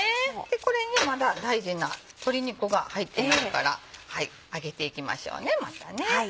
これにまだ大事な鶏肉が入ってないから揚げていきましょうまた。